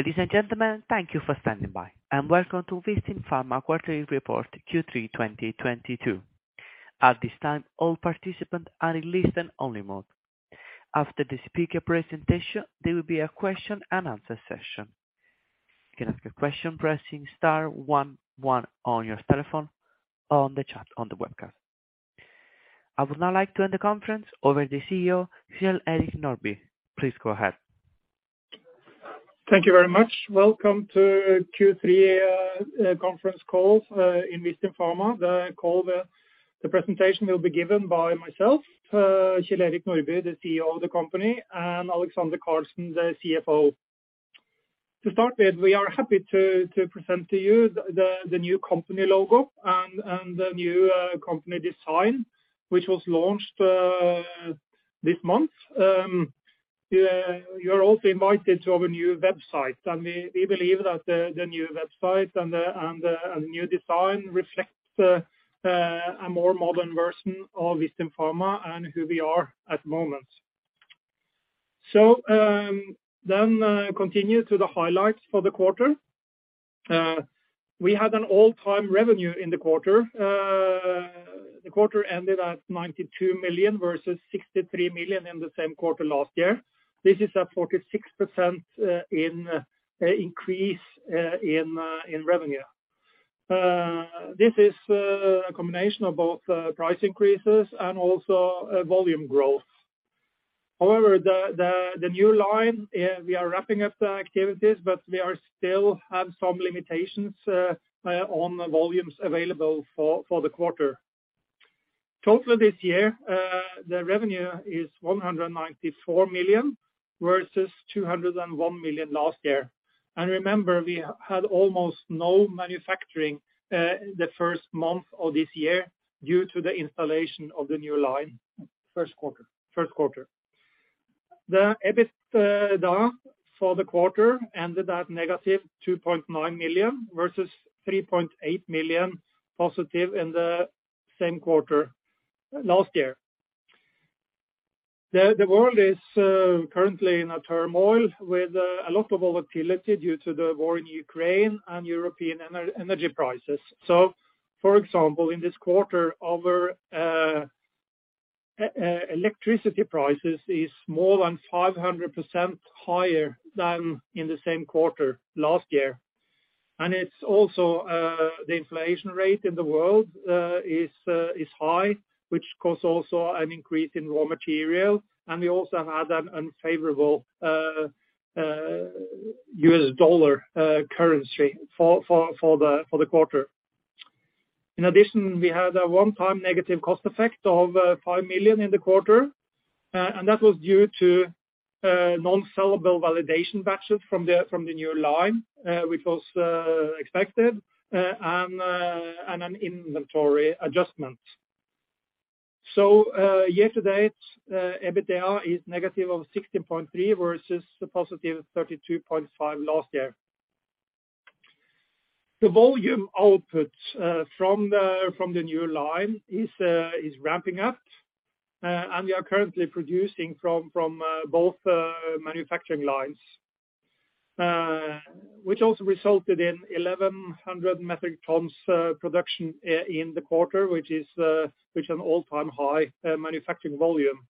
Ladies and gentlemen, thank you for standing by, and welcome to Vistin Pharma Quarterly Report Q3 2022. At this time, all participants are in listen-only mode. After the speaker presentation, there will be a question and answer session. You can ask a question pressing star one one on your telephone or on the chat on the webcast. I would now like to hand the conference over to the CEO, Kjell-Erik Nordby. Please go ahead. Thank you very much. Welcome to Q3 Conference Call in Vistin Pharma. The presentation will be given by myself, Kjell-Erik Nordby, the CEO of the company, and Alexander Karlsen, the CFO. To start with, we are happy to present to you the new company logo and the new company design, which was launched this month. You're also invited to our new website, and we believe that the new website and the new design reflects a more modern version of Vistin Pharma and who we are at the moment. Continue to the highlights for the quarter. We had an all-time revenue in the quarter. The quarter ended at 92 million versus 63 million in the same quarter last year. This is a 46% increase in revenue. This is a combination of both price increases and also volume growth. However, the new line, we are wrapping up the activities, but we still have some limitations on the volumes available for the quarter. Total this year, the revenue is 194 million versus 201 million last year. Remember, we had almost no manufacturing in the first month of this year due to the installation of the new line. First quarter. First quarter. The EBITDA for the quarter ended at -2.9 million versus +3.8 million in the same quarter last year. The world is currently in a turmoil with a lot of volatility due to the war in Ukraine and European energy prices. For example, in this quarter, our electricity prices is more than 500% higher than in the same quarter last year. It's also the inflation rate in the world is high, which causes also an increase in raw material. We also had an unfavorable US dollar currency for the quarter. In addition, we had a one-time negative cost effect of 5 million in the quarter, and that was due to non-sellable validation batches from the new line, which was expected, and an inventory adjustment. Year-to-date, EBITDA is -16.3 million versus a +32.5 million last year. The volume output from the new line is ramping up, and we are currently producing from both manufacturing lines, which also resulted in 1,100 metric tons production in the quarter, which is an all-time high manufacturing volume.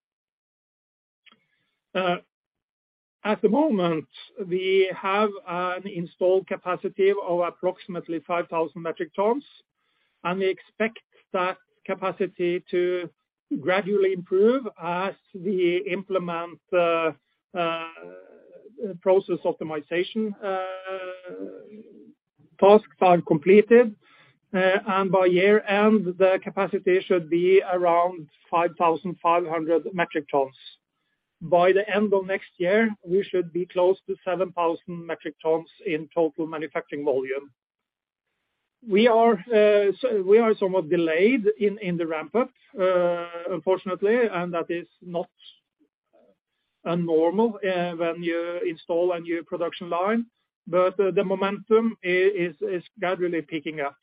At the moment, we have an installed capacity of approximately 5,000 metric tons, and we expect that capacity to gradually improve as we implement process optimization tasks are completed. By year-end, the capacity should be around 5,500 metric tons. By the end of next year, we should be close to 7,000 metric tons in total manufacturing volume. We are somewhat delayed in the ramp-up, unfortunately, and that is not normal when you install a new production line. The momentum is gradually picking up.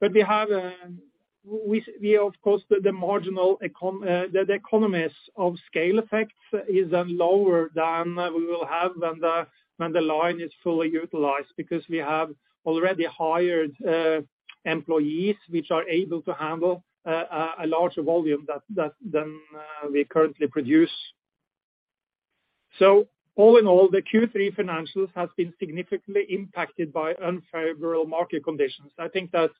We have, of course, the economies of scale effects is lower than we will have when the line is fully utilized because we have already hired employees which are able to handle a larger volume than we currently produce. All in all, the Q3 financials has been significantly impacted by unfavorable market conditions. I think that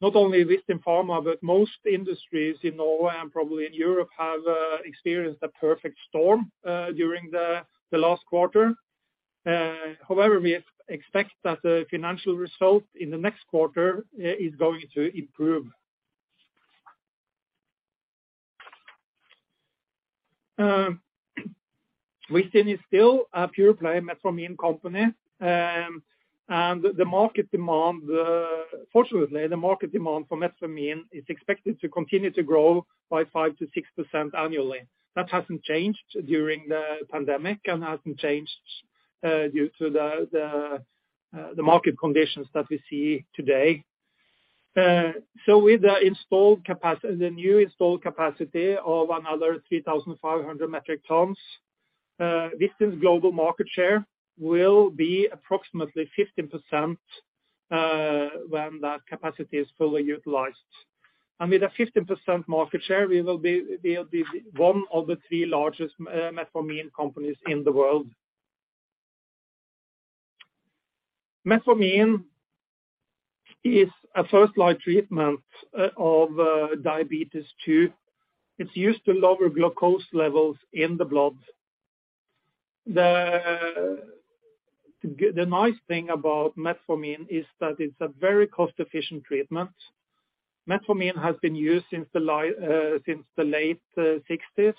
not only Vistin Pharma, but most industries in Norway and probably in Europe have experienced a perfect storm during the last quarter. However, we expect that the financial result in the next quarter is going to improve. Vistin is still a pure play metformin company. Fortunately, the market demand for metformin is expected to continue to grow by 5%-6% annually. That hasn't changed during the pandemic and hasn't changed due to the market conditions that we see today. With the new installed capacity of another 3,500 metric tons, Vistin's global market share will be approximately 15% when that capacity is fully utilized. With a 15% market share, we'll be one of the three largest metformin companies in the world. Metformin is a first-line treatment of type 2 diabetes. It's used to lower glucose levels in the blood. The nice thing about metformin is that it's a very cost-efficient treatment. Metformin has been used since the late 60's,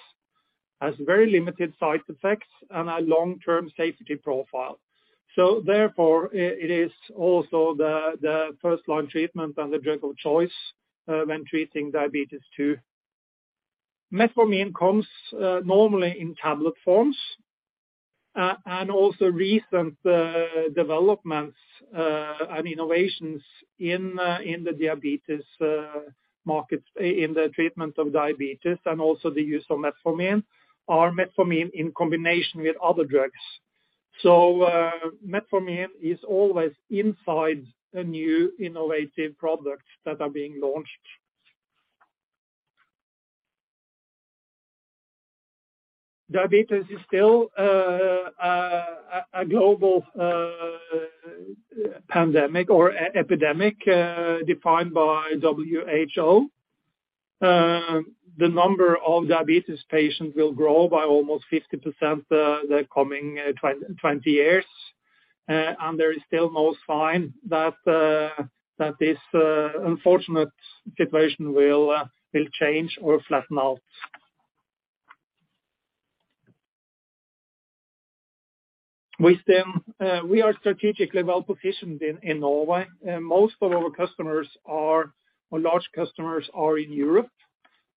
has very limited side effects and a long-term safety profile. Therefore it is also the first-line treatment and the drug of choice when treating type 2 diabetes. Metformin comes normally in tablet forms. Recent developments and innovations in the diabetes markets in the treatment of diabetes and also the use of metformin are metformin in combination with other drugs. Metformin is always inside a new innovative products that are being launched. Diabetes is still a global pandemic or epidemic, defined by WHO. The number of diabetes patients will grow by almost 50% in the coming 20 years, and there is still no sign that this unfortunate situation will change or flatten out. With that, we are strategically well-positioned in Norway, and most of our large customers are in Europe,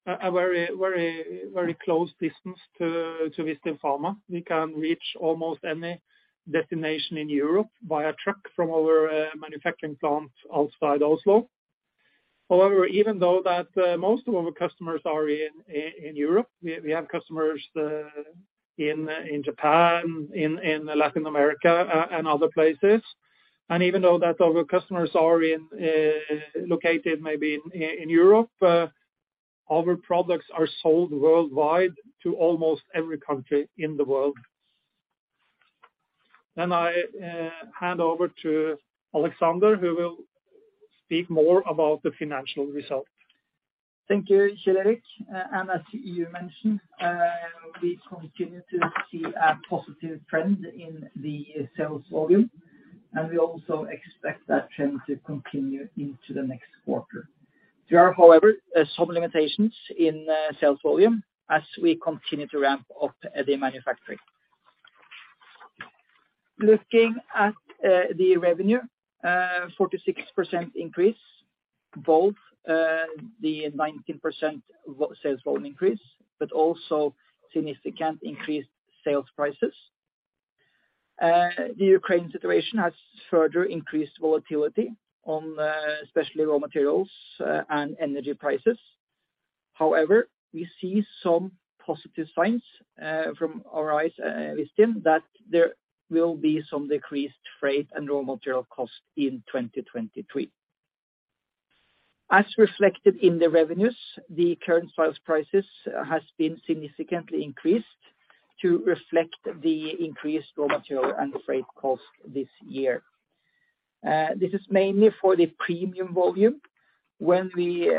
a very close distance to Vistin Pharma. We can reach almost any destination in Europe via truck from our manufacturing plant outside Oslo. However, even though most of our customers are in Europe, we have customers in Japan, in Latin America, and other places. Even though our customers are located maybe in Europe, our products are sold worldwide to almost every country in the world. I hand over to Alexander, who will speak more about the financial results. Thank you, Kjell-Erik. As you mentioned, we continue to see a positive trend in the sales volume, and we also expect that trend to continue into the next quarter. There are, however, some limitations in sales volume as we continue to ramp up the manufacturing. Looking at the revenue, 46% increase, both the 19% sales volume increase, but also significantly increased sales prices. The Ukraine situation has further increased volatility in, especially raw materials, and energy prices. However, we see some positive signs from Asia that there will be some decreased freight and raw material costs in 2023. As reflected in the revenues, the current sales prices has been significantly increased to reflect the increased raw material and freight costs this year. This is mainly for the premium volume. When we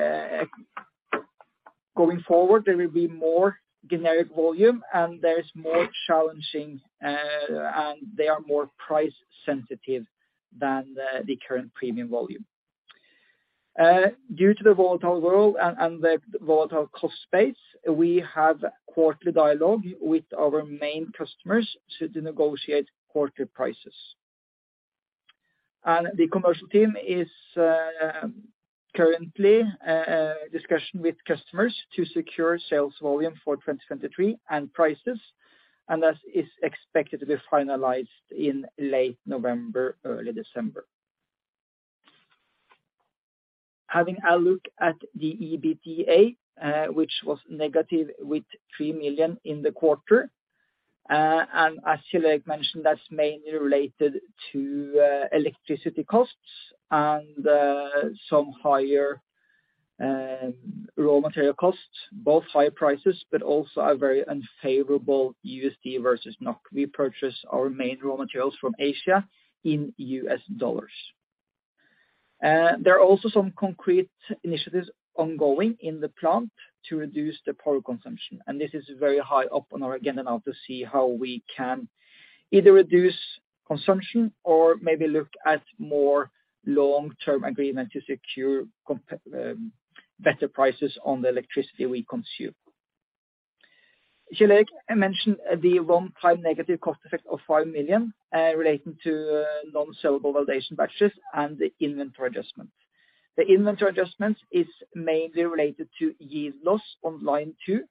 going forward, there will be more generic volume, and it's more challenging, and they are more price sensitive than the current premium volume. Due to the volatile world and the volatile cost base, we have quarterly dialogue with our main customers to negotiate quarterly prices. The commercial team is currently discussing with customers to secure sales volume for 2023 and prices, and that is expected to be finalized in late November, early December. Having a look at the EBITDA, which was negative with 3 million in the quarter. As Kjell-Erik mentioned, that's mainly related to electricity costs and some higher raw material costs, both high prices, but also a very unfavorable USD versus NOK. We purchase our main raw materials from Asia in US dollars. There are also some concrete initiatives ongoing in the plant to reduce the power consumption, and this is very high up on our agenda now to see how we can either reduce consumption or maybe look at more long-term agreement to secure better prices on the electricity we consume. Kjell-Erik mentioned the one-time negative cost effect of 5 million relating to non-sellable validation batches and the inventory adjustment. The inventory adjustment is mainly related to yield loss on line two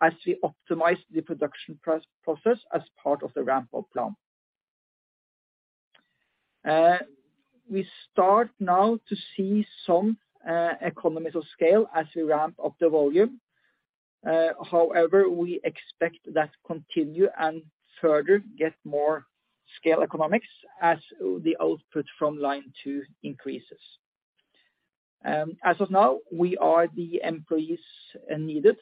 as we optimize the production process as part of the ramp-up plan. We start now to see some economies of scale as we ramp up the volume. However, we expect that to continue and further get more scale economics as the output from line two increases. As of now, we have the employees needed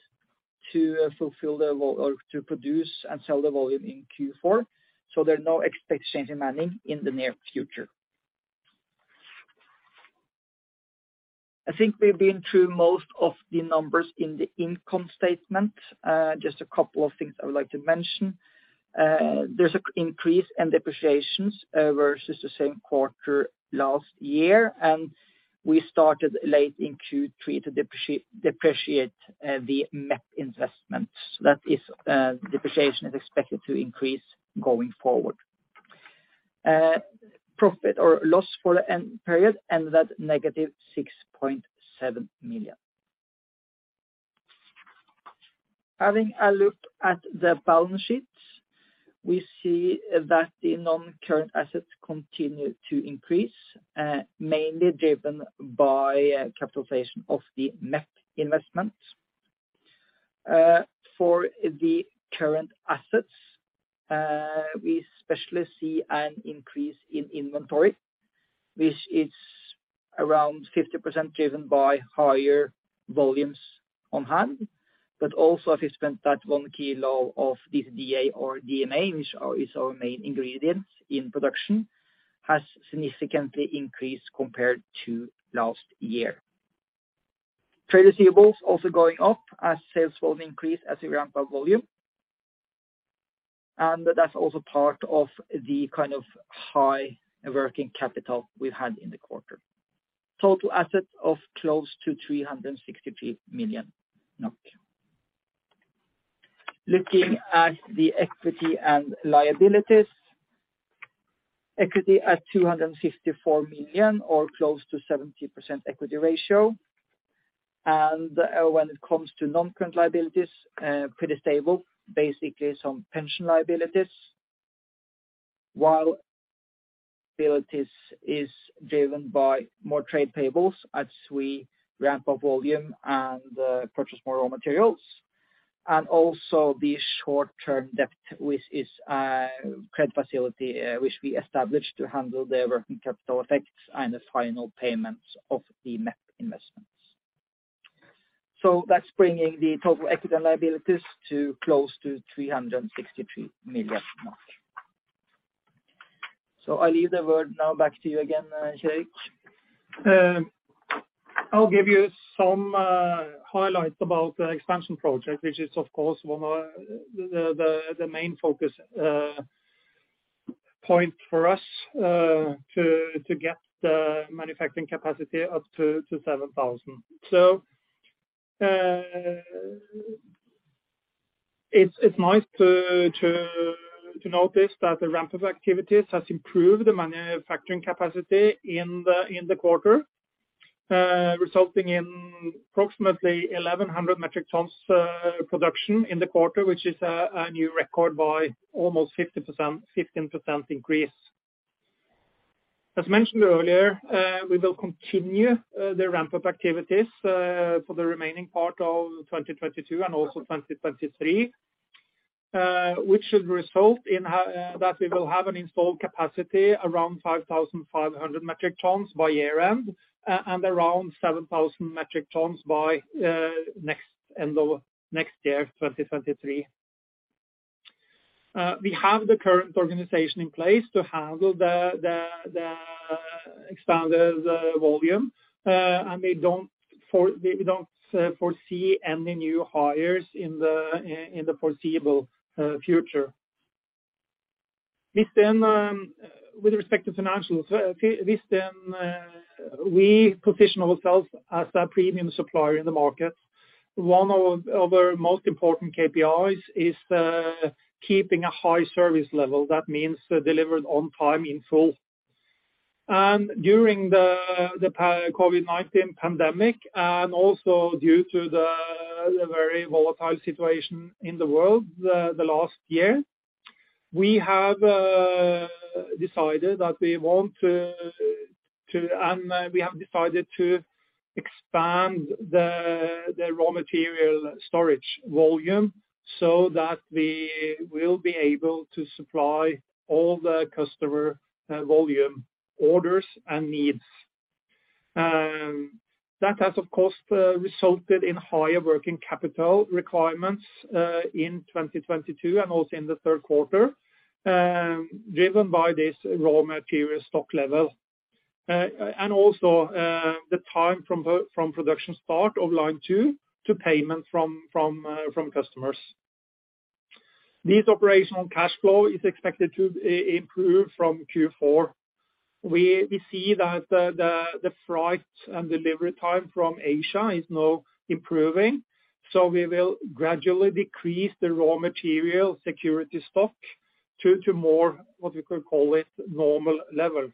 to fulfill or to produce and sell the volume in Q4, so there are no expected change in manning in the near future. I think we've been through most of the numbers in the income statement. Just a couple of things I would like to mention. There's an increase in depreciations versus the same quarter last year, and we started late in Q3 to depreciate the MEP investments. That is, depreciation is expected to increase going forward. Profit or loss for the end period ended at -6.7 million. Having a look at the balance sheets, we see that the non-current assets continue to increase, mainly driven by capitalization of the MEP investment. For the current assets, we especially see an increase in inventory, which is around 50% driven by higher volumes on hand. Also, the price of 1 kg of this DMA, which is our main ingredient in production, has significantly increased compared to last year. Trade receivables also going up as sales volume increase as we ramp up volume. That's also part of the kind of high working capital we've had in the quarter. Total assets of close to 363 million. Looking at the equity and liabilities. Equity at 254 million or close to 70% equity ratio. When it comes to non-current liabilities, pretty stable, basically some pension liabilities. While liabilities is driven by more trade payables as we ramp up volume and purchase more raw materials, and also the short-term debt, which is credit facility, which we established to handle the working capital effects and the final payments of the MEP investments. That's bringing the total equity and liabilities to close to 363 million. I leave the word now back to you again, Kjell-Erik. I'll give you some highlights about the expansion project, which is of course one of the main focus point for us to get the manufacturing capacity up to 7,000. It's nice to notice that the ramp of activities has improved the manufacturing capacity in the quarter, resulting in approximately 1,100 metric tons production in the quarter, which is a new record by almost 15% increase. As mentioned earlier, we will continue the ramp-up activities for the remaining part of 2022 and also 2023, which should result in that we will have an installed capacity around 5,500 metric tons by year-end and around 7,000 metric tons by end of next year, 2023. We have the current organization in place to handle the expanded volume. We don't foresee any new hires in the foreseeable future. With respect to financials, we position ourselves as a premium supplier in the market. One of our most important KPIs is keeping a high service level. That means delivered on time in full. During the COVID-19 pandemic, and also due to the very volatile situation in the world the last year, we have decided to expand the raw material storage volume so that we will be able to supply all the customer volume orders and needs. That has, of course, resulted in higher working capital requirements in 2022 and also in the third quarter, driven by this raw material stock level, also the time from production start of line two to payment from customers. This operational cash flow is expected to improve from Q4. We see that the freight and delivery time from Asia is now improving, so we will gradually decrease the raw material security stock to more, what we could call it, normal levels.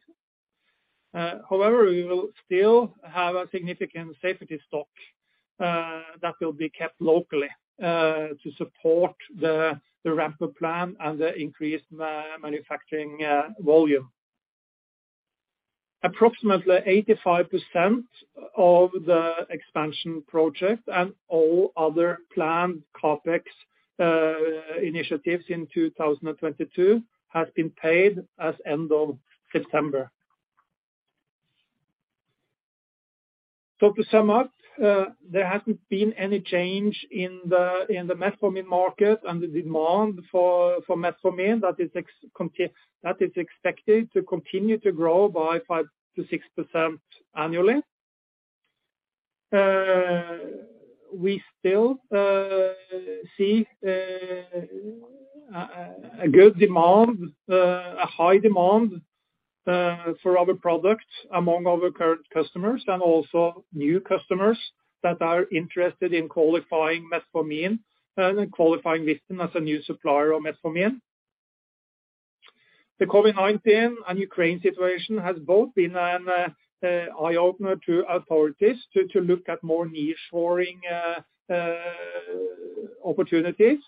However, we will still have a significant safety stock that will be kept locally to support the ramp-up plan and the increased manufacturing volume. Approximately 85% of the expansion project and all other planned CapEx initiatives in 2022 has been paid as of end of September. To sum up, there hasn't been any change in the metformin market and the demand for metformin that is expected to continue to grow by 5%-6% annually. We still see a good demand, a high demand, for other products among our current customers and also new customers that are interested in qualifying metformin and qualifying Vistin as a new supplier of metformin. The COVID-19 and Ukraine situation has both been an eye-opener to authorities to look at more nearshoring opportunities.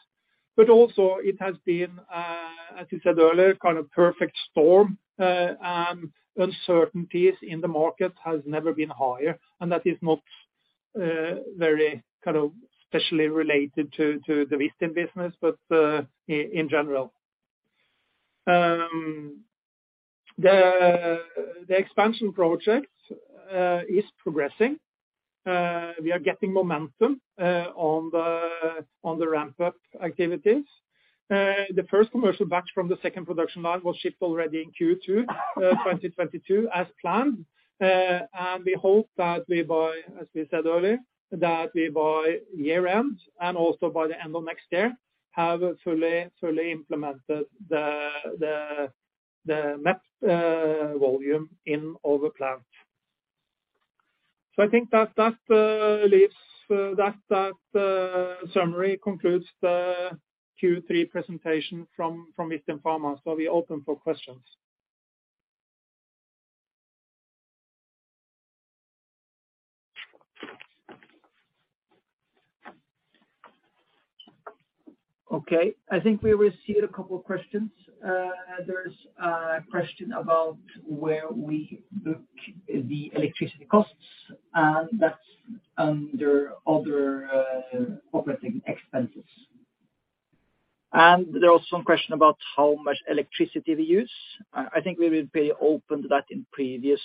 Also it has been as you said earlier, kind of perfect storm. Uncertainties in the market has never been higher, and that is not very specifically related to the Vistin business, but in general. The expansion project is progressing. We are getting momentum on the ramp-up activities. The first commercial batch from the second production line was shipped already in Q2 2022 as planned. We hope that, as we said earlier, by year end and also by the end of next year, have fully implemented the MEP volume in our plant. I think that leaves. That summary concludes the Q3 presentation from Vistin Pharma. We're open for questions. Okay. I think we received a couple of questions. There's a question about where we book the electricity costs? And that's under other operating expenses. There are some questions about how much electricity we use? I think we will be open to that in previous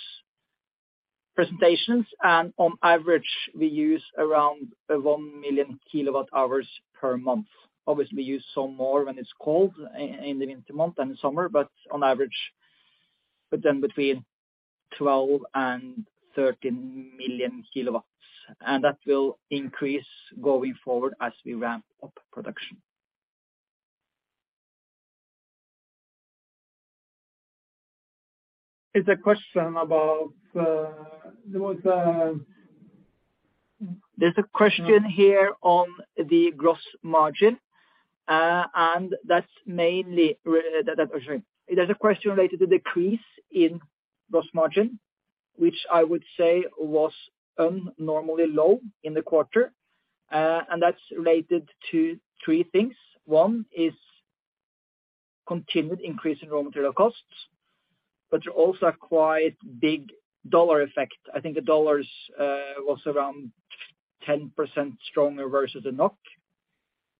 presentations. On average, we use around 1 million kWh per month. Obviously, we use some more when it's cold in the winter month than the summer, but on average, then between 12 and 13 million kWh. That will increase going forward as we ramp up production. There's a question here on the gross margin, and that's mainly related to. Sorry. There's a question related to decrease in gross margin, which I would say was abnormally low in the quarter. That's related to three things. One is continued increase in raw material costs, but also a quite big dollar effect. I think the dollar was around 10% stronger versus the NOK,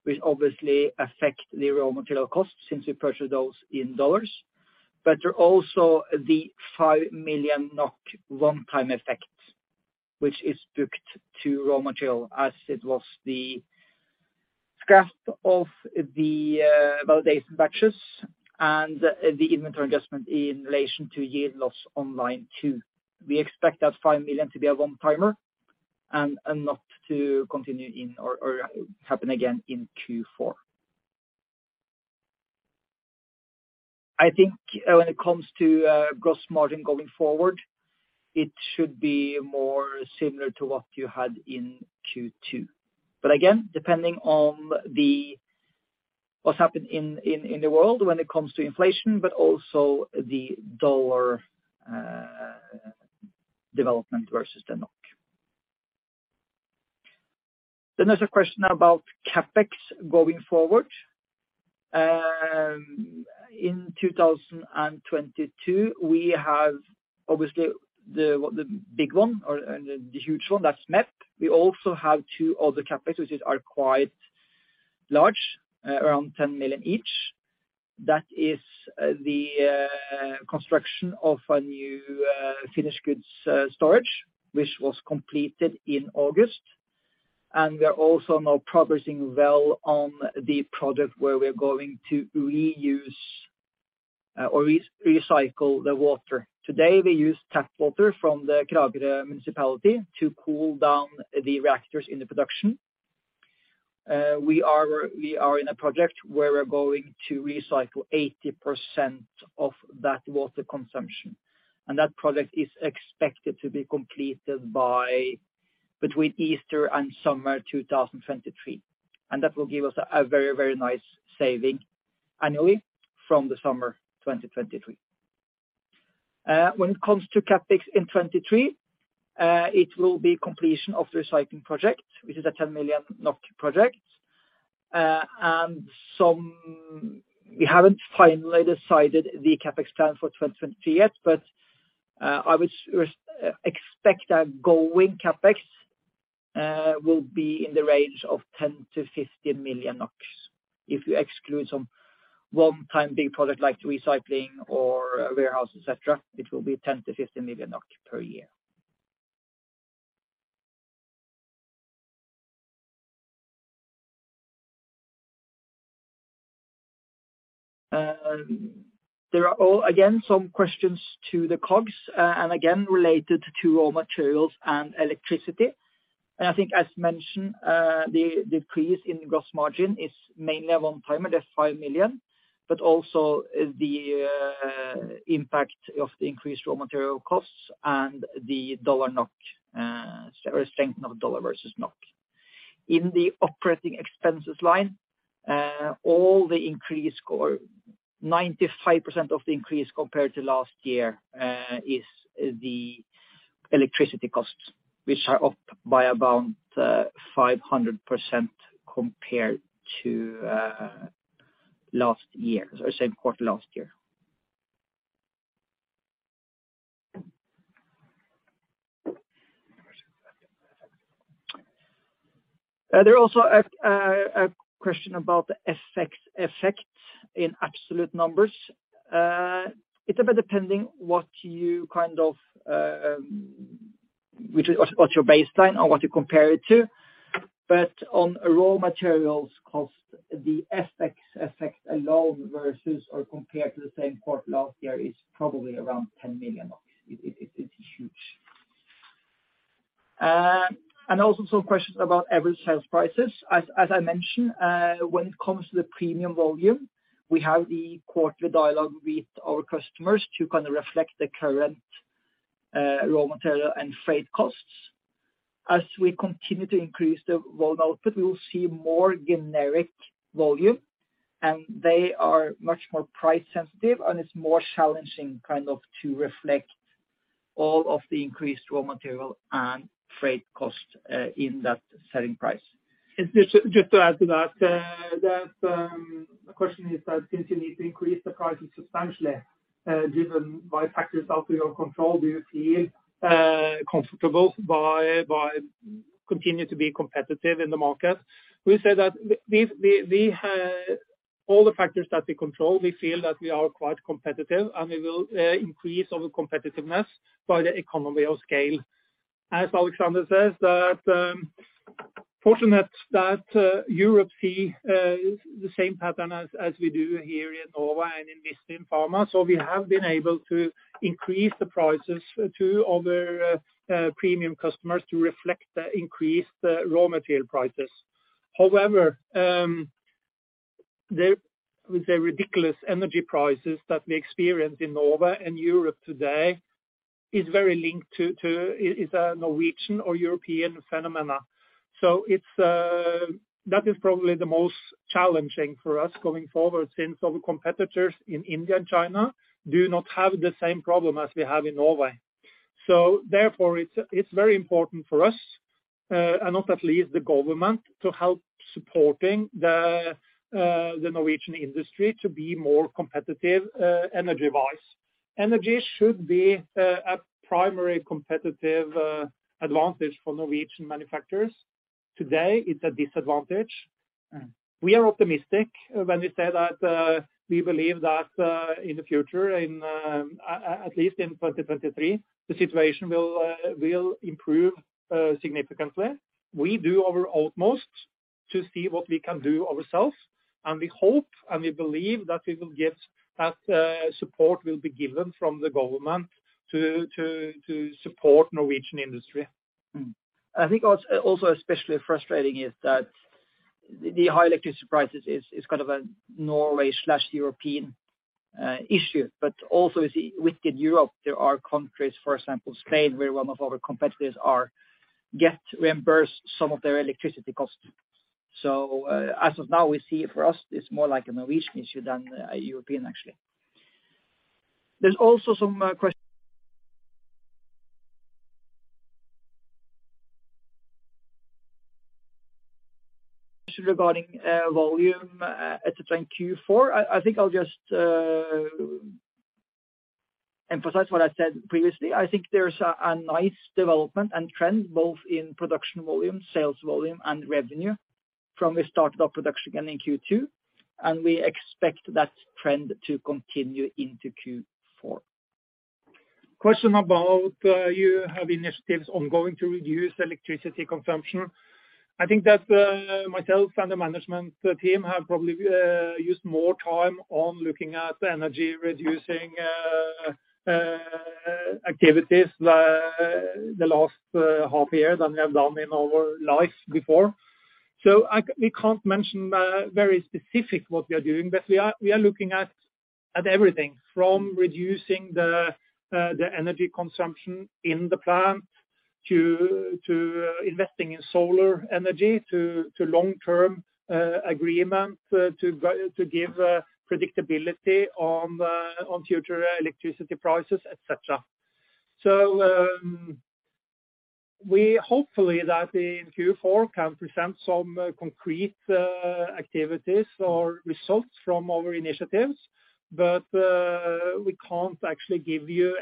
which obviously affect the raw material costs since we purchase those in US dollars. There are also the 5 million NOK one-time effect, which is booked to raw material as it was the scrap of the validation batches and the inventory adjustment in relation to yield loss on line two. We expect that 5 million to be a one-timer and not to continue in or happen again in Q4. I think when it comes to gross margin going forward, it should be more similar to what you had in Q2. Again, depending on what happened in the world when it comes to inflation, but also the dollar development versus the NOK. There's a question about CapEx going forward. In 2022, we have obviously the big one and the huge one, that's MEP. We also have two other CapEx, which are quite large, around 10 million each. That is the construction of a new finished goods storage, which was completed in August. We are also now progressing well on the project where we're going to reuse or recycle the water. Today, we use tap water from the Kragerø municipality to cool down the reactors in the production. We are in a project where we're going to recycle 80% of that water consumption, and that project is expected to be completed by between Easter and summer 2023. That will give us a very nice saving annually from the summer 2023. When it comes to CapEx in 2023, it will be completion of the recycling project, which is a 10 million NOK project. We haven't finally decided the CapEx plan for 2023 yet, but I would expect our going CapEx will be in the range of 10 million-15 million NOK. If you exclude some one-time big projects like recycling or warehouse, et cetera, it will be 10 million-15 million NOK per year. There are also, again, some questions to the COGS and again related to raw materials and electricity. I think as mentioned, the increase in gross margin is mainly a one-timer, that's 5 million, but also the impact of the increased raw material costs and the dollar NOK strength of dollar versus NOK. In the operating expenses line, all the increase or 95% of the increase compared to last year is the electricity costs, which are up by about 500% compared to last year or same quarter last year. There are also a question about the FX effect in absolute numbers. It's a bit depending what you kind of what's your baseline or what you compare it to. On raw materials cost, the FX effect alone versus or compared to the same quarter last year is probably around 10 million. It's huge. Also some questions about average sales prices. As I mentioned, when it comes to the premium volume, we have the quarterly dialogue with our customers to kind of reflect the current raw material and freight costs. As we continue to increase the volume output, we will see more generic volume, and they are much more price sensitive, and it's more challenging kind of to reflect all of the increased raw material and freight costs in that selling price. Just to add to that, the question is that since you need to increase the prices substantially, driven by factors out of your control, do you feel comfortable with continuing to be competitive in the market? We say that we have all the factors that we control. We feel that we are quite competitive, and we will increase our competitiveness by economies of scale. As Alexander said, fortunately, Europe sees the same pattern as we do here in Norway and in Vistin Pharma. We have been able to increase the prices to our premium customers to reflect the increased raw material prices. However, the ridiculous energy prices that we experience in Norway and Europe today are a Norwegian or European phenomenon. That is probably the most challenging for us going forward since our competitors in India and China do not have the same problem as we have in Norway. Therefore, it's very important for us, and not least the government, to help supporting the Norwegian industry to be more competitive, energy-wise. Energy should be a primary competitive advantage for Norwegian manufacturers. Today, it's a disadvantage. We are optimistic when we say that we believe that in the future, at least in 2023, the situation will improve significantly. We do our utmost to see what we can do ourselves, and we hope and we believe that we will get that support will be given from the government to support Norwegian industry. I think also especially frustrating is that the high electricity prices is kind of a Norwegian/European issue. Also within Europe, there are countries, for example, Spain, where one of our competitors is getting reimbursed some of their electricity costs. As of now, we see for us it's more like a Norwegian issue than a European actually. There's also some questions regarding volume in Q4. I think I'll just emphasize what I said previously. I think there's a nice development and trend both in production volume, sales volume and revenue from the start of our production again in Q2, and we expect that trend to continue into Q4. Question about you have initiatives ongoing to reduce electricity consumption? I think that myself and the management team have probably used more time on looking at energy reducing activities the last half year than we have done in our life before. We can't mention very specifically what we are doing, but we are looking at everything from reducing the energy consumption in the plant to investing in solar energy to long-term agreement to give predictability on future electricity prices, et cetera. We hopefully that in Q4 can present some concrete activities or results from our initiatives, but we can't actually give you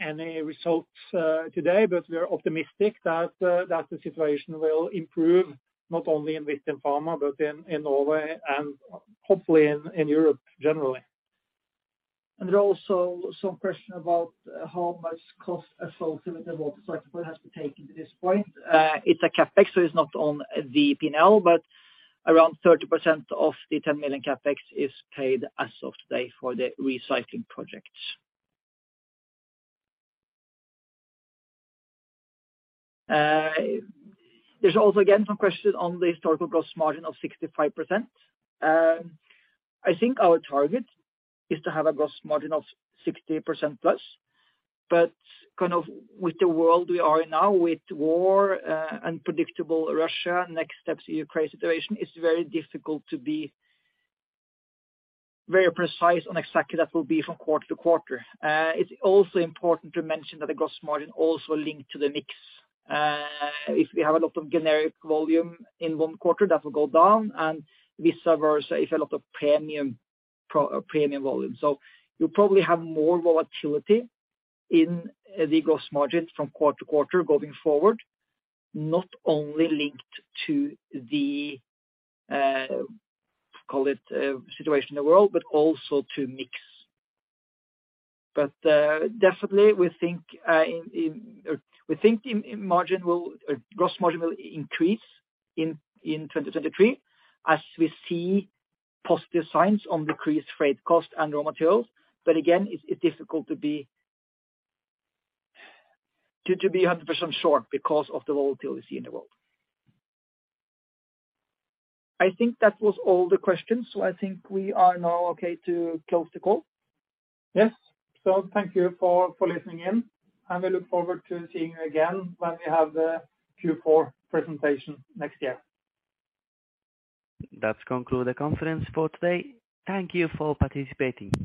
any results today. We are optimistic that the situation will improve not only in Vistin Pharma but in Norway and hopefully in Europe generally. There are also some questions about how much cost associated with the water recycling has been taken to this point. It's CapEx, so it's not on the P&L, but around 30% of the 10 million CapEx is paid as of today for the recycling projects. There's also again some question on the historical gross margin of 65%. I think our target is to have a gross margin of 60%+. Kind of with the world we are in now with war, unpredictable Russia-Ukraine situation, it's very difficult to be very precise on exactly what will be from quarter to quarter. It's also important to mention that the gross margin is also linked to the mix. If we have a lot of generic volume in one quarter, that will go down, and vice versa if a lot of premium volume. You'll probably have more volatility in the gross margin from quarter to quarter going forward, not only linked to the, call it, situation in the world, but also to mix. Definitely we think the gross margin will increase in 2023 as we see positive signs on decreased freight cost and raw materials. Again, it's difficult to be 100% sure because of the volatility in the world. I think that was all the questions. I think we are now okay to close the call. Yes. Thank you for listening in, and we look forward to seeing you again when we have the Q4 presentation next year. That concludes the conference for today. Thank you for participating.